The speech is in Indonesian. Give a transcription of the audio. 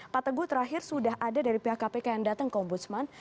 pak teguh terakhir sudah ada dari pihak kpk yang datang ke ombudsman